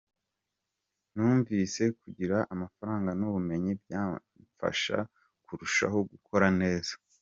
Numvise kugira amafaranga n’ubumenyi byamafasha kurushaho gukora neza.